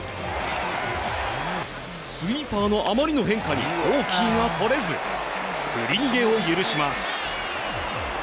スイーパーのあまりの変化にオーキーがとれず振り逃げを許します。